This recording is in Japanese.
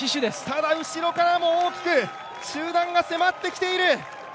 ただ後ろからも大きく集団が迫ってきている。